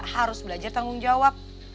harus belajar tanggung jawab